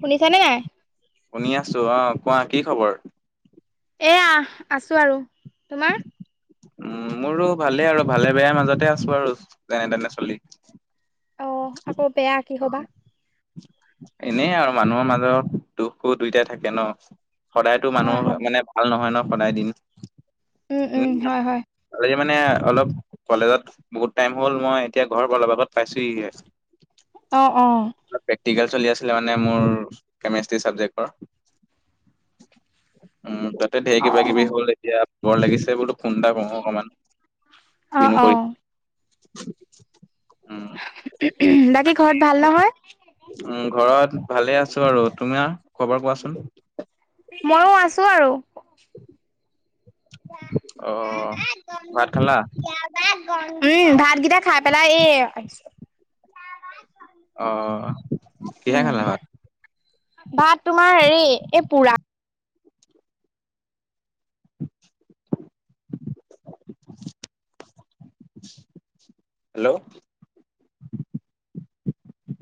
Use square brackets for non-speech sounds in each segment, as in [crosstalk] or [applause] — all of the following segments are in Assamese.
শুনিছানে নাই? শুনি আছোঁ অ'। কোৱা কি খবৰ? এয়া আছোঁ আৰু তোমাৰ। উম, মোৰো ভালেই আৰু ভালে বেয়াৰ মাজতে আছো আৰু যেনে তেনে চলি। অ', আকৌ বেয়া কিহৰ বা। এনেই আৰু মানুহৰ মাজত দুখ সুখ দুয়োটাই থাকে ন। সদায়তো হয়, মানুহৰ হয়। মানে ভাল নহয় ন সদায় দিন উম, উম, হয়, হয়। কালি মানে অলপ কলেজত বহুত টাইম হ'ল মই এতিয়া ঘৰত অলপ আগত পাইছোঁ হি অ', অ'। চলি আছিল মানে মোৰ কেমেষ্ট্ৰি চাবজেক্টৰ উম, তাতে ঢেৰ অ', কিবা কিবি অ', হ'ল এতিয়া বৰ লাগিছে বোলো খুন্দা প অকমান অ', কিনো অ কৰি উম [unintelligible] উহম উহম বাকী ঘৰত ভাল নহয়। উ ঘৰত ভালে আছোঁ আৰু তোমাৰ খবৰ কোৱাচোন? ময়ো আছোঁ আৰু। ব অহ গব ভাত খালা [unintelligible] উম ভাতকেইটা খাই পেলাই এই আহ কিহে উম, খালা ভাত? ভাত তোমাৰ হেৰি পোৰা হেল্ল'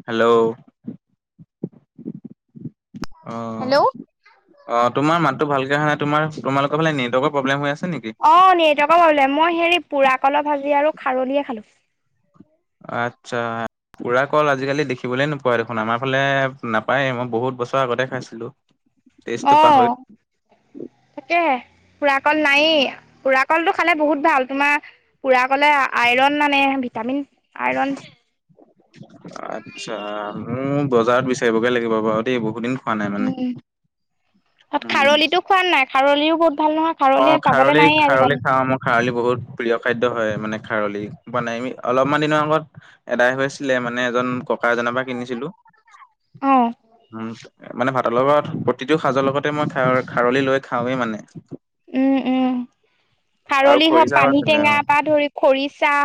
হেল্ল' অ' হেল্ল'। অ' তোমাৰ মাততো ভালকে অহা নাই তোমাৰ তোমালোকৰ ফালে নেটৱৰ্কৰ প্ৰব্লেম হৈ আছে। নেকি। মই হ'লে মই হেৰি পোৰা কলৰ ভাজি আৰু খাৰলিয়ে খালোঁ। আচ্ছা। পুৰা কল আজিকালি দেখিবলৈ নোপোৱা দেখোন আমাৰ ফালে নাপায়। মই বহুত বছৰ আগতে খাইছিলো। টেষ্টটো পাহৰি আহ, তাকেহে পুৰা কল নায়েই। পুৰা কলটো খালে বহুত ভাল তোমাৰ পুৰা ক'লে আইৰণ মানে ভিটামিন। আইৰন। আচ্ছা, মোৰ বজাৰত বিচাৰি বলে লাগিব বাৰু দেই বহুত দিন খোৱা নাই মানে। উম তাত উম খাৰলিতো খোৱা নাই খাৰলিও বহুত ভাল নহয়। অ' পাবলৈ খাৰলি নায়েই খাৰলি আজিকালি খাওঁ মোৰ খাৰলি বহুত প্ৰিয় খাদ্য হয়। মানে খাৰলি বনাই অলপমান দিনৰ আগত আদায় হৈছিলে মানে এজন। খুৰা এজানৰ পৰা কিনিছিলো, অ উম। মানে ভাতৰ লগত প্ৰতিটো সাজৰ লগতে মই খা খাৰলি লৈ খাওঁৱে মানে। উম, উম, আৰু খাৰলি হওঁক খৰিচাও পানী আছিলে অ'। টেঙা বা ধৰি খৰিচা।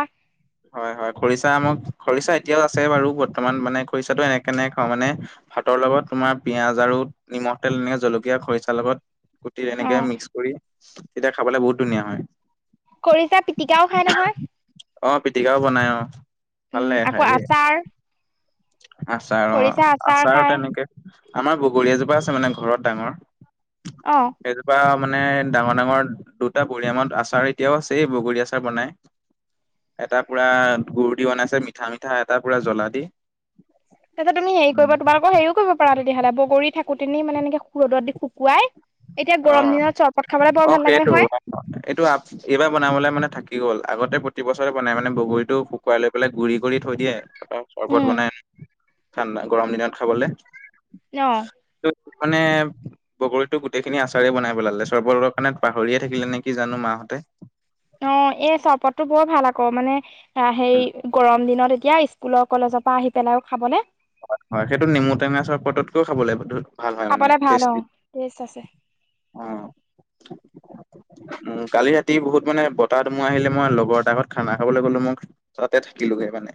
হয়, হয়, খৰিচা আমাৰ খৰিচা এতিয়াও আছে বাৰু বৰ্তমান মানে খৰিচাটো এনেকে নে খাওঁ মানে। ভাতৰ লগত তোমাৰ পিয়াজ আৰু নিমখ তেল এনেক জলকীয়া খৰিচা লগত। কুটি অ এনেকে মিক্স কৰি তেতিয়া খাবলৈ বহুত ধুনীয়া হয়। খৰিচা পিটিকাও খাই নহয়। অ' পিটিকাও বনাই অ' ভাল উম, লাগে খাই আকৌ দেই আচাৰ? আচাৰ খৰিচা অ' আচাৰ খাই তেনেকে আমাৰ বগৰী এজোপা আছে মানে ঘৰত ডাঙৰ। অ এজোপা মানে ডাঙৰ ডাঙৰ দুটা বুৰি আমত আচাৰ এতিয়াও আছে বগৰী আচাৰ বনাই। এটা পুৰা গুড় দি বনাইছে মিঠা মিঠা, এটা পুৰা জ্বলা দি। তাতে তুমি হেৰি উম। কৰিবা তোমালোকৰ হেৰি কৰিব পাৰা তেতিয়াহ'লে বগৰী থাকো নি মানে এনেকে ৰ'দত দি শুকুৱাই এতিয়া গৰম দিনত চৰবত খাবলৈ বৰ অ'অ' ভাল লাগে সেইটো নহয় অ' এইটো এইবাৰ বনাবলে মানে থাকি গ'ল। আগতে প্ৰতি বছৰে বনাই মানে বগৰীটো শুকুৱাই লৈ পেলাই গুৰি কৰি থৈ দিয়ে তাৰপা চৰ্বত উম বনাই। ঠাণ্ডা, গৰম দিনত খাবলে? অহ'। ত' মানে বগৰীতো গোট গোটেইিনি আচাৰেই বনাই পেলালে। চৰ্বৰত কাৰণে পাহৰিয়ে থাকিল নেকি জানো মাহঁতে। অ' এ চহপততো বৰ ভাল আকৌ মানে হে গৰম দিনত এতিয়া স্কুলৰ কলেজৰ পৰা আহি পেলায়ো খাবলে হয়, হয়, সেইটো নেমু টেঙা চৰপটতকৈও খাব [unintelligible] ভাল হয় মানে খাবলে ভাল অ', টেষ্টি, টেষ্ট আছে অ'। উম, কালি ৰাতি বহুত মানে বতাহ ধুমুহা আহিলে মই লগৰ এটাৰ ঘৰত খানা খাবলৈ গলোঁ মই তাতে থাকিলোগে মানে।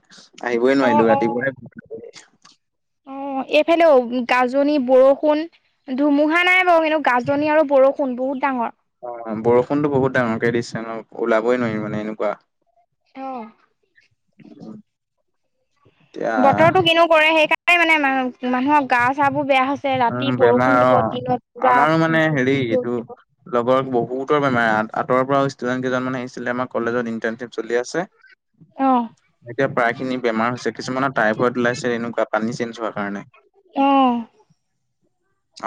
আহিবই অ', নোৱাৰিলো অ', ৰাতিুপুৱাহে অ' এইফালেও গাজনি, বৰষুণ, ধুমুহা নাই বাৰু কিন্তু গাজনি আৰু বৰষুণ টোন বহুত ডাঙৰ। অ' বৰষুণতো বহুত ডাঙৰকে দিছে ন, ওলাবই নোৱাৰি মানে এনেকুৱা। অহ' এতিয়া বতৰটো কিনো কৰে সেইকাৰণে মানে আমাৰ মানুহৰ গা চাবোৰ বেয়া হৈছে, উম, ৰাতি বেমাৰ বৰষুণ দিব অ', দিনত পুৰা আমাৰো মানে উ হেৰি ৰ'দ এইটো দিব। লগৰ বহুতৰ বেমাৰ আঁতৰ পৰা ষ্টুডেণ্ট কেইজন মানে আহিছিলে আমাৰ কলেজত ইণ্টাৰ্নশ্বিপ চলি আছে। অ', এতিয়া প্ৰায় খিনি বেমাৰ হৈছে, কিছুমানৰ টাইফইড ওলাইছে, এনেকুৱা। পানী চেঞ্জ হোৱাৰ কাৰণে। অ'।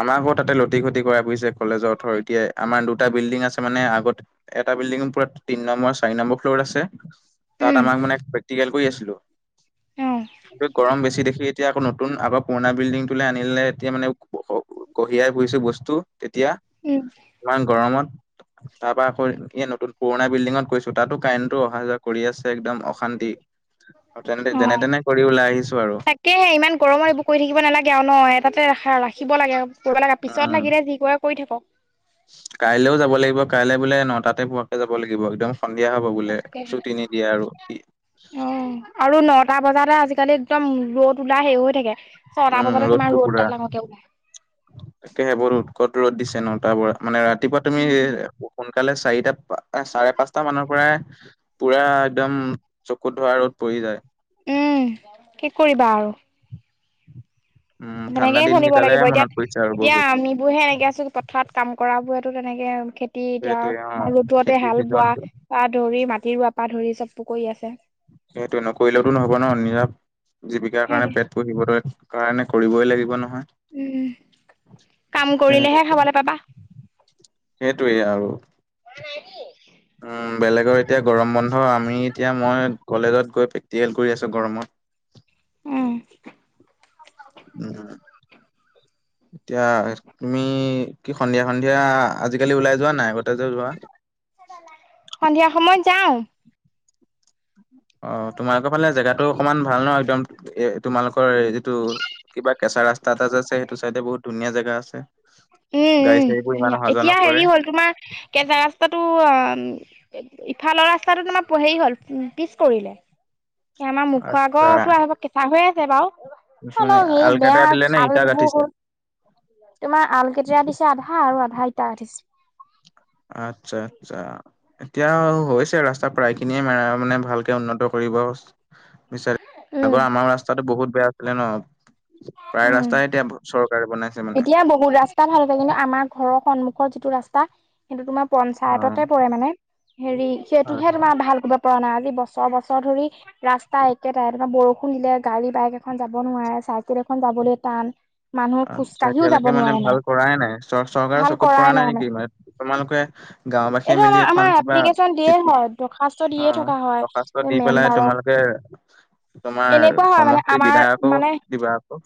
আমাৰ ঘৰৰ তাতেই লটি ঘটি কৰাই ফুৰিছে, কলেজৰ অথৰিটিয়ে, আমাৰ দুটা বিল্ডিং আ আছে মানে আগত এটা বিল্ডিঙত পুৰা তিনি নম্বৰ চাৰি নম্বৰ ফ্ল'ৰত আছে। তাত উম, আমাৰ মানে প্ৰেক্টিকেল কৰি আছিলোঁ, অ', গৰম বেছি দেখি এতিয়া আকৌ নত নতুন আগৰ পুৰণা বিল্ডিংটোলে আনিলে, এতিয়া মানে কঢ়িয়াই ফুৰিছোঁ বস্তু। তেতিয়া, উম, ইমান গৰমত তাৰ পৰা আকৌ এ, নতুন পুৰণা বিল্ডিঙত গৈছোঁ। দুটাটো কাৰেণ্টটো অহা যোৱা কৰি আছে, একদম অশান্তি। আৰু তেনে যেনে অ'। তেনে কৰি ওলাই আহিছোঁ আৰু। তাকেহে ইমান গৰমত এইবোৰ কৰি থাকিব নালাগে আৰু ন, এটাতে ৰাখা ৰাখিব লাগে, কৰিব লাগে, পিছত লাগিলে কি কৰে কৰি থাকক। কাইলেও যাব লাগিব, কাইলে বোলে নটাতে পোৱাকে যাব লাগিব একদম। সন্ধিয়া হ'ব বোলে, ছুটি নিদিয়ে আৰু কি। ছটা বজাতে আজিকালি একদম ৰ'দ ওলাই হেৰি হৈ থাকে, ছটা উম বজাতে তোমাৰ ৰ'দটো ৰ'দ পুৰা ডাঙৰকে ওলাই। তাকেহে বহুত উৎকট ৰ'দ দিছে ন, তাৰপৰা মানে ৰাতিপুৱা তুমি সোনকালে চাৰিটা, চাৰে পাঁচটা মানৰ পৰাই পুৰা একদম চকুত ধৰা ৰ'দ পৰি যায়। উম, কি কৰিবা আৰু? উম ঠাণ্ডা তেনেকেই দিন চলিব কেইটালে লাগিব এতিয়া, মনত পৰিছে আৰু এতিয়া বহুত আমিবোৰহে এনেকে আছোঁ, পথাৰত কাম কৰা বোৰৰ টো তেনেকে খেতি এতিয়া, সেইটোৱে অ ৰ'দতে খেতিৰ হাল বোৱা চিজনটো বা ধৰি মাটি ৰুৱা পাত ধৰিছে, [unintelligible] আছে। সেইটোৱেই, নকৰিলেওঁতো নহ'ব ন, নিজা জীবিকাৰ হে কাৰণে দে পেট পুহিবলৈ কাৰণে আমি কৰিবই লাগিব ন? উম, কাম কৰিলেহে খাবলৈ পাবা। সেইটোৱেই আৰু। উম, বেলেগৰ এতিয়া গৰম বন্ধ আমি এতিয়া মই কলেজত গৈ প্ৰেক্টিকেল কৰি আছো গৰমত। উম। উম এতিয়া তুমি কি সন্ধিয়া সন্ধিয়া আজিকালি ওলাই যোৱা নে নাই? আগতে যে যোৱা। সন্ধিয়া সময়ত যাওঁ। অ', তোমালোকৰ ফালে জেগাটো অকমান ভাল ন', একদম এ তোমালোকৰ যিটো কিবা কেচ ৰাস্তা এটাযে আছে, সেইটো চাইডে বহুত ধুনীয়া জেগা আছে। উম গাড়ী উম, চাড়ীবোৰ ইমান ধুনীয়া। অহা যোৱা এতিয়া নকৰে হেৰি হ'ল তোমাৰ কেঁচা ৰাস্তাটো অ ইফালৰ ৰাস্তাটো তোমাৰ হেৰি হ'ল, পিছ পৰিলে। এই আমাৰ মুখৰ আচ্ছা আগৰটো আৰু কেঁচা হৈ আছে বাৰু। মানে হলেওঁ এই আলকাটা বেয়া দিলে নে ইটা গাঠিছে খালবোৰ তোমাৰ আলকেতেৰা দিছে আধা আৰু আধা ইটা দিছে। আচ্ছা আচ্ছা, এতিয়া হৈছে ৰাস্তা প্ৰায় খিনিয়েই, ম মানে ভালকে উন্নত কৰি বিচা [unintelligible] উম আগৰ আমাৰ ৰাস্তাটো বহুত বেয়া আছিলে ন'। প্ৰায় উম ৰাস্তাই এতিয়া চৰকাৰে বনাইছে। মানে এতিয়া বহুত ৰাস্তা ভাল কৰিলে, কিন্তু আমাৰ ঘৰৰ সন্মুখৰ যিটো ৰাস্তা, সেইটো তোমাৰ অ পঞ্চায়ততেই পৰে মানে, হেৰি, হয় সেইটোহে হয় তোমাৰ ভাল কিবা পুৰণা, আজি বছৰ বছৰ ধৰি ৰাস্তা একেটাই, মানে বৰষুণ দিলে গাড়ী বাইক এখন যাব নোৱাৰে। চাইকেল এখন যাবলৈ টান। মানুহ আচ্ছা, খোজকাঢ়িও যাব এতিয়ালৈকে মানে নোৱাৰে ভাল কৰাই নাই, চ চৰকাৰৰ ভাল চকুত কৰাই পৰা নাই মানে নেকি? তোমালোকে গাঁওবাসীয়ে এইটো মিলি আমাৰ এখন আমাৰ কিবা এপ্লিকেশ্যন দিয়ে চিঠি, হয় দৰ্খাস্ত দিয়ে অ', থকা হয় দৰখাস্ত দি পেলাই মেম্বাৰক তোমালোকে তোমাৰ এনেকুৱা হয় মানে সমষ্টি আমাৰ বিধায়কক মানে দিবা আকৌ।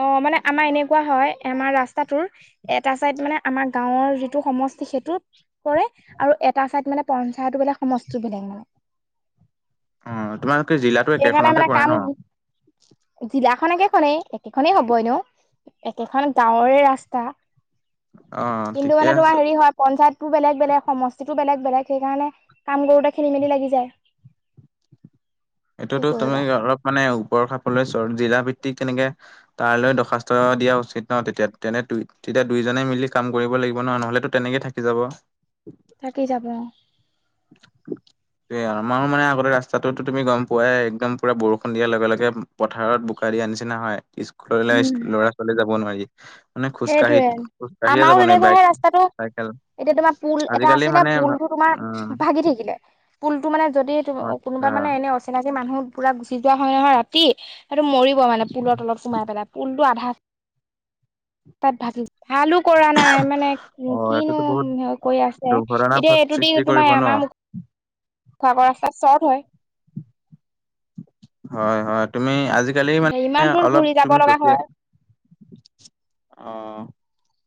অ', মানে আমাৰ এনেকুৱা হয়, আমাৰ ৰাস্তাটোৰ এটা চাইদ মানে আমাৰ গাঁওৰ যিটো সমষ্টি, সেইটোত পৰে আৰু এটা চাইদ মানে পঞ্চায়তো বেলেগ, সমষ্টিওঁ বেলেগ মানে। অ, তোমালোকে জিলাতো এইকাৰণে একেখনতে মানে পৰে কাম, ন? জিলা খন একেখনেই, একেখনেই হ'বই এনেও, একেখন গাঁৱৰেই ৰাস্তা। অ, কিন্তু ঠিকে মানে তোমাৰ আছে। হেৰি হয়, পঞ্চায়ত বেলেগ বেলেগ, সমষ্টিতো বেলেগ বেলেগ, সেইকাৰণে কাম কৰোতে খেলি মেলি লাগি যায়। কি এইটোতো তুমি, কৰিবা অলপ মানে ওপৰৰ খাফলৈ জিলা ভিত তেনেকে তালৈ দৰ্খাস্ত দিয়া উচিত ন তেতিয়া তেনে তেতিয়া দুইজনে মিলি কাম কৰিব লাগিব ন', নহলেতো তেনেকেই থাকি যাব। থাকি যাব, অ, তয়ে আৰু মাৰ মানে আগতে ৰাস্তাটোতো তুমি গম পুৱাই, একদম পুৰা বৰষুণ দিয়াৰ লগে লগে পথাৰত বোকা দিয়া নিচিনা হয়। উম ল'ৰা ছোৱাললে যাব নোৱাৰি। মানে খোজকাাঢ়ি সেইটোয়ে খোজকাঢ়িয়ে আমাৰো যাব নোৱাৰি তেনেকুৱাহে বাইক ৰাস্তাটো চাইকেল এতিয়া তোমাৰ পুল এটা আজিকালি আছিলে মানে ভা- পুলটো তোমাৰ উম ভাগি থাকিলে পুলটো মানে যদি আচ্ছা কোনোবা মানে এনে অচিনাকি মানুহ পুৰা গুচি যোৱা হয় নহয় ৰাতি সেইটো মৰিব মানে পুলৰ তলত সোমাই পেলাই, পুলটো আধা তাত [unintelligible] ভালো কৰা নাই মানে অ কিনো এইটোতো বহুত কৰি আছে, দুৰ্ঘটনা এতিয়া এইটো সৃষ্টি দিন কৰিব ন তোমাৰ [unintelligible] [unintelligible] হয়, হয়, তুমি আজি আজিকালি এতিয়া মানে ইমান দূৰ অলপ ঘূৰি যাব তুমি লগা হয় [unintelligible] অ,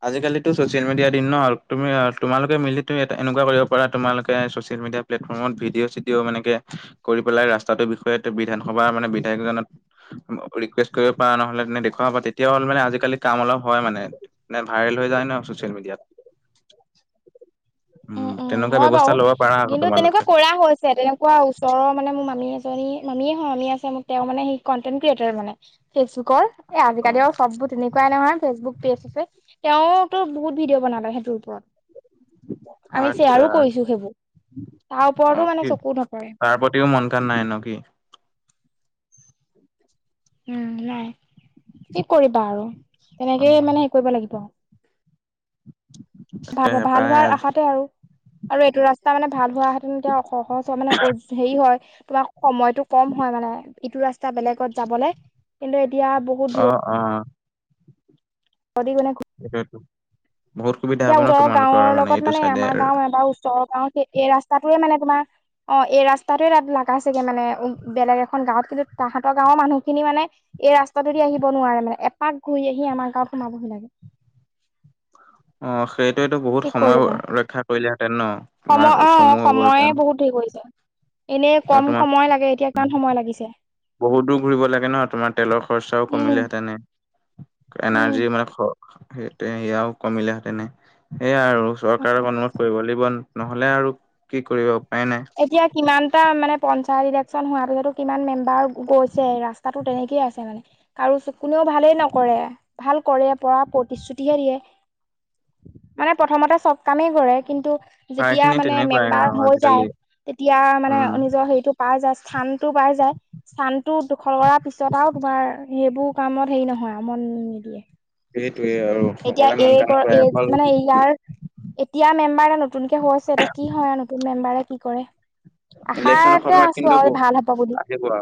আজিকালিতো চচিয়েল মিডিয়াৰ দিন ন' হল তুমি তোমালোকে মিলি এ এনেকুৱা কৰিব পাৰা তোমোলোকে চচি চচিয়েল মিডিয়া প্লেটফৰ্মত ভিডিঅ চিডিঅ' মানে এনেকে কৰি পেলাই ৰাস্তাতোৰ বিষয়ে বিধান সভাৰ মানে বিধায়কজনত ৰিকুৱেষ্ট কৰিব পৰা নহলে তেনে দেখুৱাব পাৰা তেতিয়া হ'ল মানে আজিকালি কাম অলপ হয় মানে নে, ভাইৰেল হৈ যায় ন চচিয়েল মিডিয়াত। উম, উম তেনেকুৱা হয় ব্যৱস্থা বাৰু, ল'ব পাৰা আকৌ কিন্তু তেনেকুৱা তোমালোকে কৰা হৈছে, তেনেকুৱা ওচৰৰ মানে মোৰ মামী আছে [unintelligible] মামীয়ে হয় মামি আছে মোক তেওঁ মানে সেই কনটেন্ট ক্ৰিয়েটাৰ মানে ফেচবুকৰ এ অ আজিকালি আৰু চববোৰ তেনেকুৱাই নহয় ফেচবুক পেজ আছে তেওঁও তো বহুত ভিডিঅ' বনালে। সেইটোৰ ওপৰত। আমি আচ্ছা শ্বেয়াৰো কৰিছো সেইবোৰ। তাৰ অ ওপৰতো মানে কি চকু নপৰে। তাৰ প্ৰতিও মন কাণ নাই ন কি উম, নাই, কি কৰিবা আৰু, অ এনেকেই মানে হেৰি কৰিব লাগিব। তাকে ভা- ভাল পাই হোৱাৰ আশাতে আৰু। আৰু এইটো ৰাস্তা মানে ভাল হোৱােহেতেন তেতিয়া সহজ হয় মানে হেৰি হয় তোমাৰ সময়টো কম হয় মান, ইটো ৰাস্তা বেলেগত যাবলে, কিন্তু এতিয়া বহুত অ, দূৰ অ, [unintelligible] সেইটোৱেটো বহুত সুবিধা এতিয়া হ'ব ন ওচৰৰ তোমালোকৰ গাঁওৰ লগত এইটো মানে আমাৰ চাইডে গাঁও এবাৰ ওচৰৰ গাঁওত এ-এই ৰাস্তাটোৱে মানে তোমাৰ অ, এই ৰাস্তাটোয়ে তাত লাগাইচেগে মানে উ, বেলেগ এখন গাঁৱত কিন্তু তাহাঁতৰ গাঁৱৰ মানুহখিনি মানে এই ৰাস্তাটোইদি আহিব নোৱাৰে মানে, এপাক ঘূৰি আহি আমাৰ গাঁৱত সোমাবহি লাগে। [inaudible] অ, সেইটোয়েতো বহুত কি সময় কৰিবা ৰক্ষা কৰিলেহেঁতেন ন', সময় তোমাৰ ও চমু হৈ গ'লঁহেতেন। এনে কম সময় লাগে, এতিয়া কিমান সময় লাগিছে। বহুত দূৰ ঘূৰিব লাগে ন', তোমাৰ তেলৰ খৰচাও উম কমিলেহেতেনে। উম এনাৰ্জি মানে সেই সেয়াও কমিলেহেঁতেনে সেয়াই আৰু। অ চৰকাৰক অনুৰোধ কৰিব লাগিব নহলে আৰু কি কৰিব উপায় নাই এতিয়া কিমানটা মানে পঞ্চায়ত ইলেকশ্যন হোৱাৰ পিছতো কিমান মেম্বাৰ গৈছে, ৰাস্তাতো তেনেকয়ে আছে মানে। কাৰো কোনেও ভালেই নকৰে ভাল কৰে কৰা প্ৰতিশ্ৰুতিহে দিয়ে। মানে প্ৰথমতে চব কামেই কৰে কিন্তু প্ৰায় যেতিয়া খিনি মানে তেনেকুৱাই আৰু মেম্বাৰ হৈ আজিকালি যায় তিয়া মানে উম নিজৰ হেৰিটো পায় যায় স্থান টো পাই যায় স্থানটো দখল কৰাৰ পিছত আৰু তোমাৰ সেইবোৰ কামত হেৰি নহয় আ, মন নিদিয়ে। সেইটোৱে আৰু এতিয়া সকলোৱে মন এই কাণ নকৰে এই অকল মানে ইয়াৰ এতিয়া মেম্বাৰ এটা নতুনকে হৈছে এতিয়া কি হয় আৰু নতুন মেম্বাৰে কি কৰে। ইলেকশ্ব্যনৰ আশাতে সময়ত আছো কিন্তু আৰু বহু- ভাল হ'ব বুলি আহিব অ,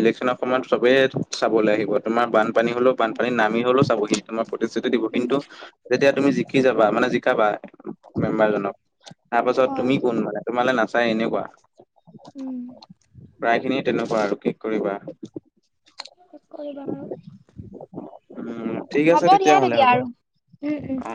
ইলেকশ্যনৰ সময়ত চবেই চাবলৈ আহিব। তোমাৰ বানপানী হ'লেও উম বানপানী নামি হ'লেও চাবহি তোমাৰ প্ৰতিশ্ৰুতি দিব। উম, কিন্তু যেতিয়া তুমি জিকি যাবা, মানে জিকাবা মেম্বাৰ জনক, তাৰ পাছত হয়, তুমি কোন মানে তোমালে নাচ চাই এনেকুৱা, উম, প্ৰায় খিনিয়ে তেনেকুৱা আৰু কি কৰিবা। কি কৰিবা আৰু। উম ঠিক আছে হ'ব দিয়া তেতিয়াহ'লে তেতিয়া হ'ব আৰু উম উম। অ